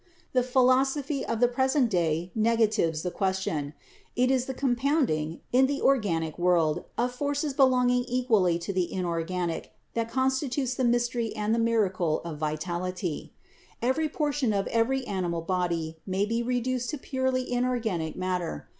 The philosophy of the present day negatives the question. It is the com pounding, in the organic world, of forces belonging equally to the inorganic, that constitutes the mystery and the PHYSIOLOGICAL IDEA OF LIFE 29 miracle of vitality. Every portion of every animal body may be reduced to purely inorganic matter.